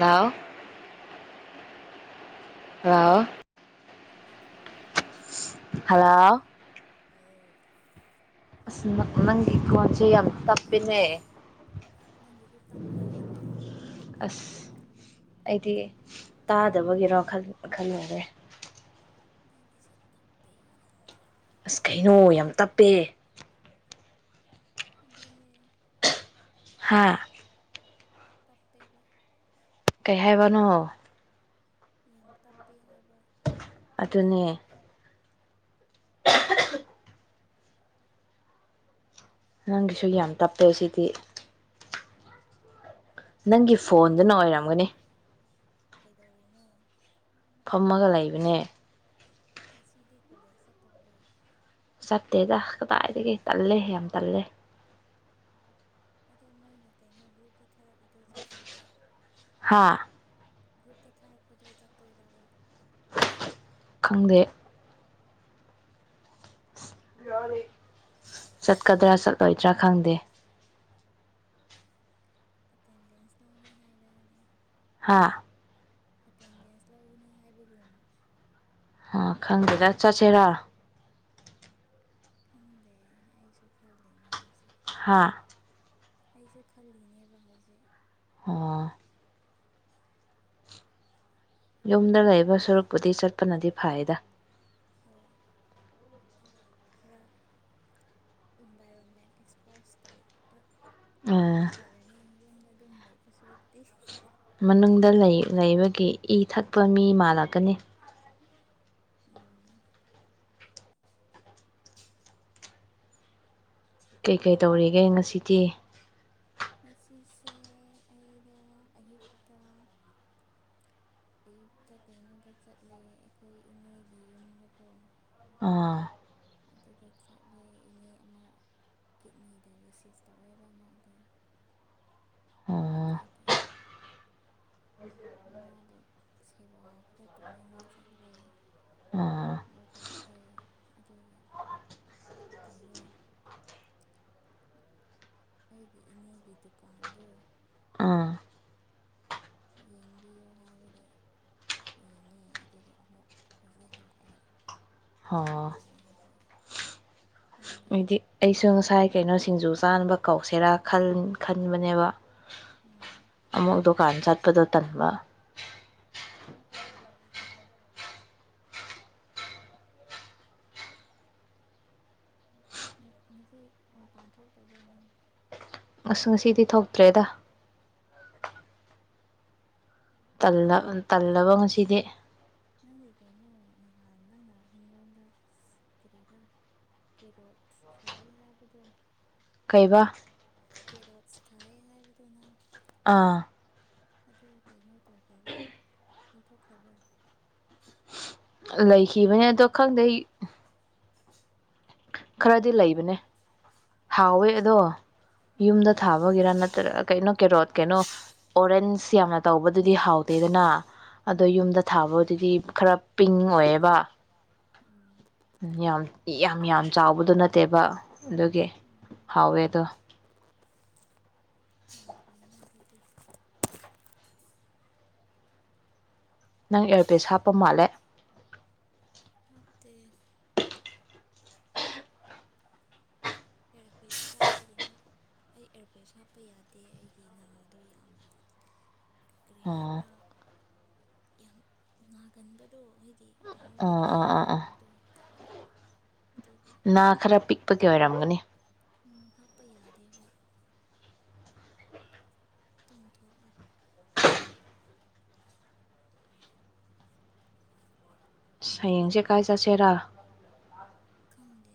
ꯂꯥꯎ ꯂꯥꯎꯋꯣ [inaudible] ꯍꯜꯂꯣ ꯑꯥꯎ ꯅꯪꯒꯤ ꯀꯣꯟꯖꯤ ꯌꯥꯝ ꯌꯥꯝ ꯇꯄꯤꯅꯦ ꯅꯪꯒꯤꯁꯨ ꯇꯞꯦ ꯑꯁ ꯑꯩꯗꯤ ꯇꯥꯗꯕꯒꯤꯔꯣ ꯈꯜ ꯈꯜꯂꯨꯔꯦ ꯅꯪꯒꯤꯁꯨ ꯇꯞꯄꯤ ꯌꯥꯝꯅ ꯑꯁ ꯀꯩꯅꯣ ꯑꯩ ꯌꯥꯝ ꯇꯞꯄꯦ ꯑꯗꯨꯅꯦ ꯍꯥꯥ ꯇꯄꯦꯕ ꯀꯩ ꯍꯥꯏꯕꯅꯣ ꯌꯥꯝ ꯇꯞꯄꯦ ꯍꯥꯏꯕ ꯑꯗꯨꯅꯦ [unintelligible] ꯅꯪꯒꯤꯁꯨ ꯌꯥꯝ ꯇꯞꯄꯦ ꯁꯤꯗꯤ ꯅꯪꯒꯤ ꯀꯩꯗꯧꯔꯤꯅꯣ ꯐꯣꯟꯗꯨꯅ ꯑꯣꯏꯔꯝꯒꯅꯤ ꯀꯩꯗꯧꯔꯤꯅꯣ ꯐꯝꯃꯒ ꯂꯩꯕꯅꯦ ꯉꯁꯤꯗꯤ ꯀꯣꯂꯦꯖ ꯆꯠꯇꯕ꯭ꯔꯥ ꯆꯠꯇꯦꯗ ꯀꯗꯥꯏꯗꯒꯤ ꯇꯜꯂꯦ ꯌꯥꯝ ꯇꯜꯂꯦ ꯑꯗꯣ ꯃꯣꯏꯅ ꯀꯩꯅꯣ ꯒ꯭ꯔꯨꯞꯇ ꯊꯥꯔꯛꯏꯗꯣ ꯆꯠꯄꯩꯔ ꯍꯥꯥ ꯒ꯭ꯔꯨꯞꯇ ꯊꯥꯔꯛꯄꯗ ꯆꯥꯇꯣꯏꯔꯥꯕ ꯈꯪꯗꯦ ꯆꯠꯀꯗ꯭ꯔꯥ ꯆꯠꯂꯣꯏꯗ꯭ꯔꯥ ꯈꯪꯗꯦ ꯑꯦꯇꯦꯟꯗꯦꯟꯁ ꯂꯧꯅꯤ ꯍꯥꯏꯗꯥꯏꯅꯦ ꯍꯥꯥ ꯑꯦꯇꯦꯟꯗꯦꯟꯁ ꯂꯧꯒꯅꯤ ꯍꯥꯏꯕꯒꯨꯝ ꯑ ꯈꯪꯗꯦꯗ ꯆꯠꯁꯤꯔ ꯈꯪꯗꯦ ꯑꯩꯁꯨ ꯈꯜꯂꯤꯝꯅꯤ ꯍꯧꯖꯤꯛ ꯍꯥꯥ ꯑꯩꯁꯨ ꯈꯜꯂꯤꯅꯦꯕ ꯍꯧꯖꯤꯛ ꯑꯣ ꯌꯨꯝꯗ ꯂꯩꯕ ꯁꯨꯔꯨꯛꯄꯨꯗꯤ ꯆꯠꯄꯅꯗꯤ ꯐꯩꯗ ꯍꯣꯏ ꯈꯔ ꯏꯟꯚꯥꯏꯔꯣꯟꯃꯦꯟ ꯑꯦꯛꯁꯄꯣꯖ ꯇꯧꯕ ꯑ ꯇꯨꯝ ꯂꯩꯕ ꯁꯨꯔꯨꯛꯗꯤ ꯃꯅꯨꯡꯗ ꯂꯩꯕꯒꯤ ꯏ ꯊꯛꯄ ꯃꯤ ꯃꯥꯜꯂꯛꯀꯅꯤ ꯎꯝ ꯀꯩꯀꯩ ꯇꯧꯔꯤꯒꯦ ꯉꯁꯤꯗꯤ ꯉꯁꯤꯁꯦ ꯑꯩꯗꯣ ꯑꯌꯨꯛꯇ ꯑꯌꯨꯛꯇ ꯀꯩꯅꯣꯗ ꯆꯠꯂꯦ ꯑꯩꯈꯣꯏ ꯏꯅꯦꯒꯤ ꯌꯨꯝꯗꯒꯣ ꯑꯥ ꯑꯗꯨꯗ ꯆꯠꯂꯦ ꯏꯅꯦ ꯑꯃ ꯀꯤꯠꯅꯤ ꯗꯥꯏꯂꯤꯁꯤꯁ ꯇꯧꯋꯦꯕ ꯑꯃ ꯑꯣ ꯑꯣ ꯑꯗꯨꯒꯤ ꯃꯥꯕꯨ ꯁꯦꯕꯥ ꯈꯔ ꯇꯧꯅꯤꯡꯉꯥꯏ ꯆꯠꯂꯦ ꯑꯥ ꯑꯃꯨꯛ ꯍꯜꯂꯛꯑꯦ ꯑꯗꯨꯒ ꯀꯩꯅꯣ ꯑꯩꯒꯤ ꯏꯅꯦꯒꯤ ꯗꯨꯀꯥꯟꯗ ꯑꯥ ꯌꯦꯡꯕꯤꯌꯨ ꯍꯥꯏꯕꯒꯤ ꯌꯦꯡꯉꯦ ꯑꯗꯨꯒ ꯑꯃꯨꯛ ꯍꯧꯖꯤꯛ ꯍꯜꯂꯛꯑꯦ ꯍꯣ ꯄꯣꯊꯥꯔꯤꯅꯤ ꯍꯧꯖꯤꯛ ꯅꯪꯗꯤ ꯍꯥꯏꯗꯤ ꯑꯩꯁꯨ ꯉꯁꯥꯏ ꯀꯩꯅꯣ ꯁꯤꯡꯖꯨ ꯆꯥꯅꯕ ꯀꯧꯁꯦꯔꯥ ꯈꯟꯕꯅꯦꯕ ꯎꯝ ꯑꯃꯨꯛ ꯗꯨꯀꯥꯟ ꯆꯠꯄꯗꯣ ꯇꯟꯕ ꯎꯝ ꯉꯁꯤ ꯃꯄꯥꯟ ꯊꯣꯛꯇꯕ꯭ꯔ ꯅꯪ ꯑꯁ ꯉꯁꯤꯗꯤ ꯊꯣꯛꯇ꯭ꯔꯦꯗ ꯀꯩꯅꯣ ꯇꯜꯂ ꯅꯪ ꯇꯜꯂꯕ ꯉꯁꯤꯗꯤ ꯅꯪꯒꯤ ꯀꯩꯅꯣ ꯅꯍꯥꯟ ꯅꯪꯅ ꯑꯩꯉꯣꯟꯗ ꯀꯔꯤꯔꯥ ꯀꯦꯔꯣꯠ ꯊꯥꯏ ꯍꯥꯏꯕꯗꯣ ꯀꯩꯕꯥ ꯊꯥꯏꯌꯦ ꯍꯥꯏꯕꯗꯨꯅꯪ ꯑꯥ ꯑꯗꯨ ꯀꯩꯅꯣ [unintelligible] ꯂꯧꯊꯣꯛꯈ꯭ꯔꯕ ꯂꯩꯈꯤꯕꯅꯦ ꯑꯗꯣ ꯈꯪꯗꯦ ꯈꯔꯗꯤ ꯂꯩꯕꯅꯦ ꯍꯥꯎꯋꯦ ꯑꯗꯣ ꯎꯝ ꯌꯨꯝꯗ ꯊꯥꯕꯒꯤꯔ ꯅꯠꯇ꯭ꯔꯒ ꯀꯩꯅꯣ ꯀꯦꯔꯣꯠ ꯀꯩꯅꯣ ꯑꯣꯔꯦꯟꯁ ꯌꯥꯝꯅ ꯇꯧꯕꯗꯨꯗꯤ ꯍꯥꯎꯇꯦꯗꯅ ꯑꯗꯣ ꯎꯝ ꯌꯨꯝꯗ ꯊꯥꯕꯗꯨꯗꯤ ꯈꯔ ꯄꯤꯡ ꯑꯣꯏꯌꯦꯕ ꯎꯝ ꯌꯥꯝ ꯌꯥꯝ ꯌꯥꯝ ꯆꯥꯎꯕꯗꯨ ꯅꯠꯇꯦꯕ ꯑꯗꯨꯒꯤ ꯎꯝ ꯍꯥꯎꯋꯦ ꯑꯗꯣ ꯌꯥꯝ ꯐꯩꯅ [unintelligible] ꯑꯗꯨꯗꯤ ꯅꯪ ꯑꯦꯌꯥꯔꯄꯤꯁ ꯍꯥꯞꯄ ꯃꯥꯜꯂꯦ ꯍꯥꯞꯄꯦ ꯏꯌꯥꯔꯕꯤꯁ ꯀꯥꯏꯕꯗꯒꯤꯅ ꯑꯩ ꯏꯌꯥꯔꯕꯤꯁ ꯍꯥꯞꯄ ꯌꯥꯗꯦ ꯑꯩꯒꯤ ꯅꯥꯗꯣ ꯌꯥꯝ [inaudible] ꯑ ꯍꯥꯏꯕ꯭ꯔꯥ ꯌꯥꯝ ꯅꯥꯒꯟꯕꯗꯣ ꯍꯥꯏꯗꯤ [inaudible] ꯀꯩꯅꯣꯗ ꯑꯥ ꯑꯥ ꯑꯥ ꯑꯥ ꯑꯦꯔꯍꯣꯗꯣ [inaudible] ꯅꯥ ꯈꯔ ꯄꯤꯛꯄꯒꯤ ꯑꯣꯏꯔꯝꯒꯅꯤ ꯎꯝ ꯍꯥꯞꯄ ꯌꯥꯗꯦ ꯍꯣ ꯇ ꯇꯂꯦ ꯍꯌꯦꯡꯁꯦ ꯀꯥꯏ ꯆꯠꯁꯦꯔꯥ ꯈꯪꯗꯦ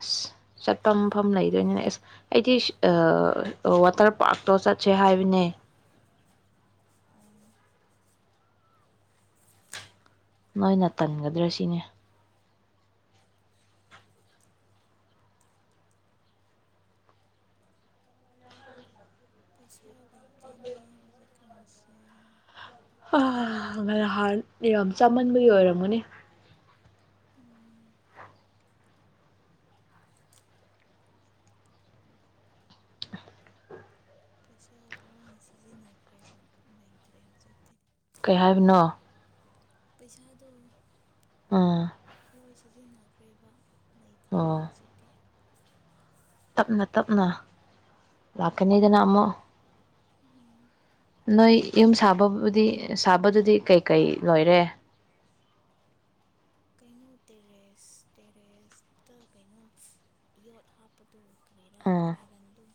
ꯑꯁ ꯆꯠꯄ ꯃꯐꯝ ꯂꯩꯗꯣꯏꯅꯤꯅꯦ ꯑꯦꯁ ꯑꯩꯗꯤ ꯋꯥꯇꯔ ꯄꯥꯔꯛꯇꯣ ꯆꯠꯁꯦ ꯍꯥꯏꯕꯅꯦ ꯑꯣ ꯅꯣꯏꯅ ꯇꯟꯒꯗ꯭ꯔꯥ ꯁꯤꯅꯦ ꯄꯩꯁꯥ ꯂꯩꯇꯦꯅꯦ ꯍꯧꯖꯤꯛ ꯀꯥꯟꯁꯦ ꯑ ꯉꯍꯥꯟꯔꯣꯝ ꯆꯥꯃꯟꯕꯒꯤ ꯑꯣꯏꯔꯝꯃꯨꯅꯦ ꯎꯝ ꯄꯩꯁꯥ ꯂꯋꯥꯏ ꯁꯤꯖꯤꯟꯅꯈ꯭ꯔꯦꯕ ꯂꯩꯇ꯭ꯔꯦ ꯍꯧꯖꯤꯛꯇꯤ ꯀꯩ ꯍꯥꯏꯕꯅꯣ ꯄꯩꯁꯥꯗꯨ ꯑꯥ ꯁꯤꯖꯤꯟꯅꯗ꯭ꯔꯦꯕ ꯂꯩꯇ꯭ꯔꯦꯕ ꯍꯧꯖꯤꯛꯇꯤ ꯇꯞꯅ ꯇꯞꯅ ꯂꯥꯛꯀꯅꯤꯗꯅ ꯑꯃꯨꯛ ꯎꯝ ꯅꯣꯏ ꯑꯗꯨ ꯌꯨꯝ ꯅꯪ ꯁꯥꯕꯕꯨꯗꯤ ꯁꯥꯕꯗꯨꯗꯤ ꯀꯩꯀꯩ ꯂꯣꯏꯔꯦ ꯀꯩꯅꯣ ꯇꯦꯔꯦꯁ ꯇꯦꯔꯦꯁ ꯑꯇ ꯀꯩꯅꯣ ꯌꯣꯠ ꯍꯥꯞꯄ ꯑꯗꯨ ꯀꯔꯤꯔꯥ ꯎꯝ ꯑꯥꯏꯔꯟꯗꯨ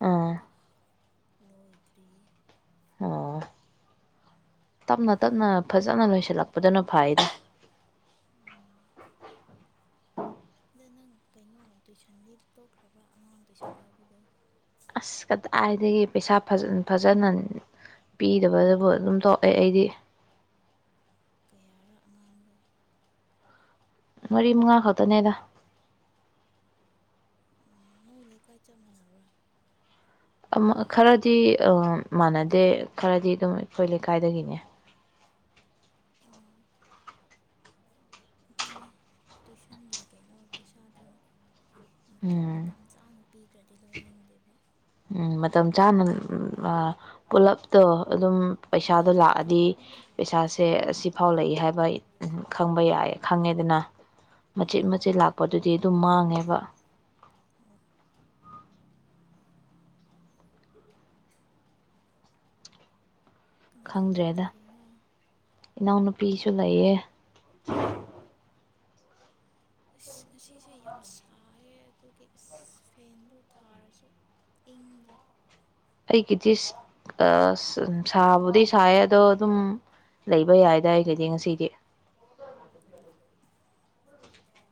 ꯎꯝ ꯑꯗꯨ ꯅꯣꯏꯇ꯭ꯔꯤ ꯑꯣ ꯇꯞꯅ ꯇꯞꯅ ꯐꯖꯅ ꯂꯣꯏꯁꯤꯜꯂꯛꯄꯗꯨꯅ ꯐꯩꯅꯦ ꯎꯝ ꯑꯗ ꯅꯪ ꯀꯩꯅꯣ ꯇꯨꯏꯁꯟꯗꯤ ꯇꯣꯛꯈ꯭ꯔꯕ꯭ꯔꯥ ꯑꯉꯥꯡ ꯇꯨꯏꯁꯟ ꯂꯧꯕꯗꯣ ꯑꯁ ꯀꯗꯥꯏꯗꯒꯤ ꯄꯩꯁꯥ ꯐꯖꯅ ꯄꯤꯗꯕꯗꯨꯕꯨ ꯑꯗꯨꯝ ꯇꯧꯑꯦ ꯑꯩꯗꯤ ꯀꯌꯥꯔ ꯑꯉꯥꯡꯗ ꯃꯔꯤ ꯃꯉꯥ ꯈꯛꯇꯅꯦꯗ ꯅꯣꯏꯀꯥꯏ ꯆꯠ ꯃꯕ꯭ꯔ ꯈꯔꯗꯤ ꯃꯥꯟꯅꯗꯦ ꯈꯔꯗꯤ ꯑꯗꯨꯝ ꯑꯩꯈꯣꯏ ꯂꯩꯀꯥꯏꯗꯒꯤꯅꯦ ꯑꯥ ꯑꯗꯨꯅꯦ ꯇꯨꯏꯁꯟꯒꯤ ꯀꯩꯅꯣ ꯄꯩꯁꯥꯗꯣ ꯎꯝ ꯃꯇꯝ ꯆꯥꯅ ꯄꯤꯈ꯭ꯔꯅꯤ ꯇꯤꯜ ꯂꯧꯅꯤꯡꯗꯦꯕ ꯎꯝ ꯃꯇꯝ ꯆꯥꯅ ꯑ ꯄꯨꯂꯞ ꯇꯣ ꯑꯗꯨꯝ ꯎꯝ ꯄꯩꯁꯥꯗꯣ ꯂꯥꯛꯑꯗꯤ ꯄꯩꯁꯥꯁꯦ ꯑꯁ ꯁꯤꯐꯥꯎ ꯂꯩꯏ ꯍꯥꯏꯕ ꯈꯪꯕ ꯌꯥꯏ ꯈꯪꯉꯦꯗꯅ ꯃꯆꯦꯠ ꯎꯝ ꯃꯆꯦꯠ ꯂꯥꯛꯄꯗꯨꯗꯤ ꯑꯗꯨꯝ ꯃꯥꯡꯉꯦ ꯅꯦꯕ ꯍꯣꯏ ꯀꯅꯥ ꯀꯅꯥ ꯈꯪꯗ꯭ꯔꯦꯗ ꯂꯩꯔꯤꯅꯣ ꯏꯅꯥꯎꯅꯨꯄꯤ ꯄꯤꯤꯁꯨ ꯂꯩꯌꯦ ꯑꯁ ꯉꯁꯤꯁꯦ ꯌꯥꯝ ꯁꯥꯏꯦ ꯑꯗꯨꯒꯤ ꯐꯦꯟꯗꯣ ꯊꯥꯔꯁꯨ ꯏꯪꯗꯦ ꯑꯩꯒꯤꯗꯤ ꯁꯥꯕꯨꯗꯤ ꯁꯥꯏꯌꯦ ꯑꯗꯣ ꯑꯗꯨꯝ ꯂꯩꯕ ꯌꯥꯏꯗ ꯑꯩꯒꯤꯗꯤ ꯉꯁꯤꯗꯤ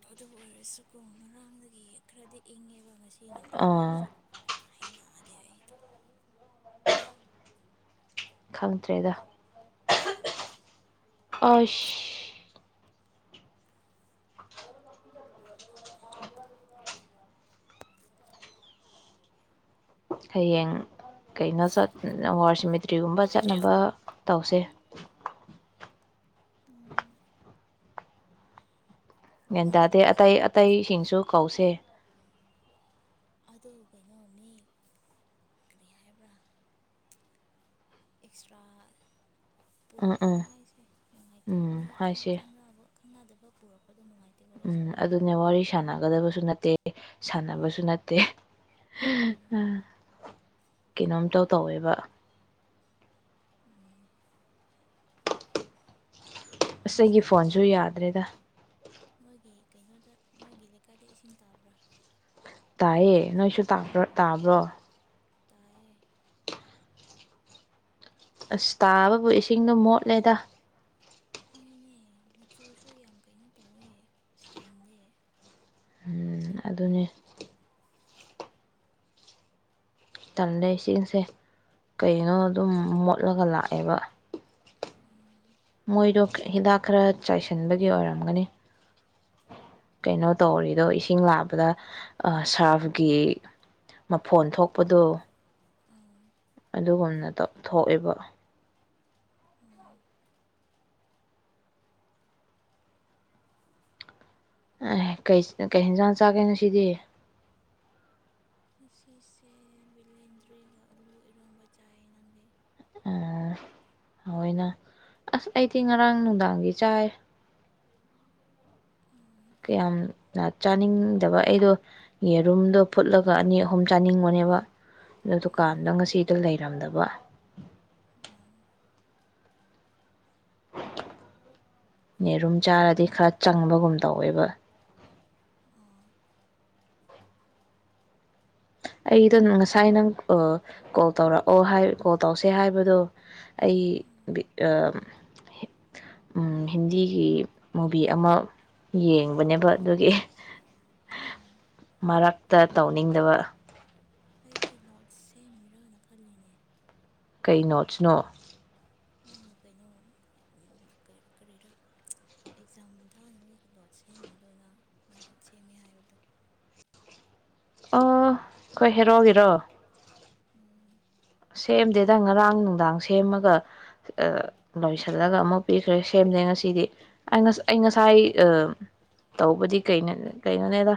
ꯑꯗꯨꯕꯨ ꯑꯣꯏꯔꯁꯨꯀꯣ ꯉꯥꯡꯗꯒꯤ ꯈꯔꯗꯤ ꯏꯪꯉꯦꯕ ꯉꯁꯤ ꯑꯩꯅ ꯑꯗꯨ ꯑꯥ ꯑꯣꯏꯔꯁꯨ ꯍꯩꯅ [unintelligible] ꯈꯪꯗ꯭ꯔꯦꯗ ꯑꯁ ꯍꯌꯦꯡ ꯀꯩꯅꯣ ꯆꯠ ꯋꯥꯔ ꯁꯤꯃꯤꯇ꯭ꯔꯤꯒꯨꯝꯕ ꯆꯠꯅꯕ ꯇꯧꯁꯦ ꯎꯝ ꯒ꯭ꯌꯥꯟ ꯇꯧꯁꯦ ꯇꯥꯗꯦ ꯇꯧꯁꯦ ꯑꯇꯩ ꯑꯇꯩꯁꯤꯡꯁꯨ ꯀꯧꯁꯦ ꯑꯗꯨ ꯀꯩꯅꯣ ꯃꯤ ꯀꯔꯤ ꯍꯥꯏꯕ꯭ꯔꯥ ꯑꯦꯛꯁꯇ꯭ꯔꯥ ꯎꯝ ꯄꯨꯔꯛꯀꯅꯨ ꯎꯝ ꯍꯥꯏꯁꯦ ꯅꯨꯡꯉꯥꯏꯇꯦ ꯃꯤ ꯎꯝ ꯈꯪ ꯍꯥꯏꯁꯦ ꯈꯪꯉꯅꯕ ꯈꯪꯅꯗꯕ ꯄꯨꯔꯛ ꯎꯝ ꯑꯗꯨꯅꯦ ꯋꯥꯔꯤ ꯁꯥꯟꯅꯒꯗꯕ ꯨ ꯅꯠꯇꯦ ꯁꯥꯟꯅꯕꯁꯨ ꯅꯠꯇꯦ ꯎꯝ ꯀꯩꯅꯣꯝ ꯏꯇꯧ ꯇꯧꯋꯦꯕ ꯎꯝ ꯑꯁ ꯉꯁꯤ ꯑꯩꯒꯤ ꯀꯩꯅꯣ ꯐꯣꯟꯁꯨ ꯅꯣꯏ ꯌꯥꯗ꯭ꯔꯦꯗ ꯅꯣꯏꯒꯤ ꯀꯩꯅꯣꯗ ꯅꯣꯏꯒꯤ ꯂꯩꯀꯥꯏꯗ ꯏꯁꯤꯡ ꯇꯥꯕ꯭ꯔꯥ ꯇꯥꯏꯌꯦ ꯅꯣꯏꯁꯨ ꯇꯥꯕ ꯇꯥꯕ꯭ꯔꯣ ꯇꯥꯏꯌꯦ ꯑꯁ ꯇꯥꯕꯕꯨ ꯏꯁꯤꯡꯗꯣ ꯃꯣꯠꯂꯦꯗ ꯍꯣꯏꯅꯦ ꯃꯆꯨꯁꯨ ꯌꯥꯝ ꯀꯩꯅꯣ ꯇꯧꯋꯦ ꯁꯦꯡꯗꯦ ꯎꯝ ꯑꯗꯨꯅꯦ ꯇꯟꯂꯀ ꯏꯁꯤꯡꯁꯦ ꯀꯩꯅꯣ ꯑꯗꯨꯝ ꯃꯣꯠꯂꯒ ꯂꯥꯛꯑꯦꯕ ꯎꯝ ꯃꯣꯏꯗꯣ ꯍꯤꯗꯥꯛ ꯈꯔ ꯆꯥꯏꯁꯤꯟꯕꯒꯤ ꯑꯣꯏꯔꯝꯒꯅꯤ ꯀꯩꯅꯣ ꯇꯧꯔꯤꯗꯣ ꯏꯁꯤꯡ ꯂꯥꯛꯄꯗ ꯁꯥꯔꯐꯒꯤ ꯃꯐꯣꯟ ꯊꯣꯛꯄꯗꯣ ꯑꯥ ꯑꯗꯨꯒꯨꯝꯅ ꯊꯣꯛꯑꯦꯕ ꯑꯥ ꯑꯦ ꯀꯩ ꯍꯦꯟꯖꯥꯡ ꯆꯥꯒꯦ ꯉꯁꯤꯗꯤ ꯉꯁꯤꯁꯦ ꯕꯤꯂꯦꯟꯗ꯭ꯔꯤꯒ ꯑꯂꯨ ꯏꯔꯣꯟꯕ ꯆꯥꯏ ꯅꯪꯗꯤ ꯑ ꯍꯣꯏꯅ ꯑꯁ ꯑꯩꯗꯤ ꯉꯔꯥꯡ ꯅꯨꯡꯗꯥꯡꯒꯤ ꯆꯥꯏ ꯎꯝ ꯀꯌꯥꯝ ꯆꯥꯅꯤꯡꯗꯕ ꯑꯩꯗꯣ ꯌꯦꯔꯨꯝꯗꯣ ꯐꯨꯠꯂꯒ ꯑꯅꯤ ꯑꯍꯨꯝ ꯆꯥꯅꯤꯡꯕꯅꯦꯕ ꯑꯗꯨ ꯎꯝ ꯗꯨꯀꯥꯟꯗꯣ ꯉꯁꯤꯗꯣ ꯂꯩꯔꯝꯗꯕ ꯑꯣ ꯌꯦꯔꯨꯝ ꯆꯥꯔꯗꯤ ꯈꯔ ꯆꯪꯕꯒꯨꯝ ꯇꯧꯋꯦꯕ ꯑꯣ ꯑꯩꯗꯣ ꯉꯁꯥꯏ ꯅꯪ ꯀꯣꯜ ꯇꯧꯔꯛꯑꯣ ꯀꯣꯜ ꯇꯧꯁꯦ ꯍꯥꯏꯕꯗꯣ ꯑꯩ ꯎꯝ ꯍꯤꯟꯗꯤꯒꯤ ꯃꯨꯚꯤ ꯑꯃ ꯌꯦꯡꯕꯅꯦꯕ ꯑꯗꯨꯒꯤ ꯎꯝ ꯃꯔꯛꯇ ꯇꯧꯅꯤꯡꯗꯕ ꯑꯩꯗꯤ ꯅꯣꯠꯁ ꯁꯦꯝꯃꯤꯔꯥꯅ ꯈꯜꯂꯤꯅꯦ ꯀꯩ ꯅꯣꯠꯁꯅꯣ ꯅꯪ ꯀꯩꯅꯣ ꯀꯔꯤꯔ ꯑꯦꯛꯖꯥꯝ ꯊꯥꯅꯕꯒꯤ ꯅꯣꯠ ꯁꯦꯝꯃꯤꯗꯣꯅꯪ ꯅꯍꯥꯟ ꯁꯦꯝꯃꯦ ꯍꯥꯏꯕꯗꯣ ꯑꯣ ꯈꯣꯏ ꯍꯦꯔꯣꯒꯤꯔꯣ ꯎꯝ ꯁꯦꯝꯗꯦꯗ ꯉꯔꯥꯡ ꯅꯨꯡꯗꯥꯡ ꯁꯦꯝꯃꯒ ꯂꯣꯏꯁꯤꯜꯂꯒ ꯑꯃꯨꯛ ꯄꯤꯈ꯭ꯔꯦ ꯁꯦꯝꯗꯦ ꯉꯁꯤꯗꯤ ꯑꯩ ꯉꯁꯥꯏ ꯇꯧꯕꯗꯤ ꯀꯩꯅꯣꯅꯦꯗ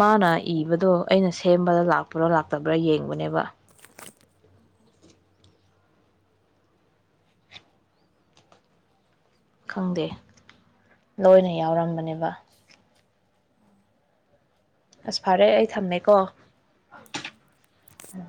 ꯃꯥꯅ ꯏꯕꯗꯣ ꯑꯩꯅ ꯁꯦꯝꯕꯗ ꯂꯥꯛꯄ꯭ꯔꯥ ꯂꯥꯛꯇꯕ꯭ꯔꯥ ꯌꯦꯡꯕꯅꯦꯕ ꯑꯣ ꯈꯪꯗꯦ ꯂꯣꯏꯅ ꯌꯥꯎꯔꯝꯕꯅꯦꯕ ꯑꯣ ꯑꯁ ꯐꯔꯦ ꯑꯩ ꯊꯝꯃꯦꯀꯣ ꯑꯣ ꯎꯝ ꯎꯝ ꯎꯝ